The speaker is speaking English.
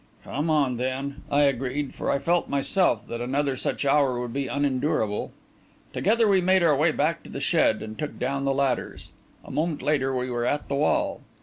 "Come on, then," I agreed, for I felt myself that another such hour would be unendurable. Together we made our way back to the shed and took down the ladders. A moment later, we were at the wall.